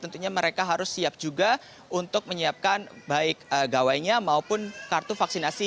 tentunya mereka harus siap juga untuk menyiapkan baik gawainya maupun kartu vaksinasi